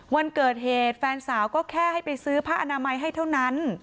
วันเกิดเหตุแฟนสาวก็แค่ให้ไปซื้อผ้าอนามัยให้เท่านั้น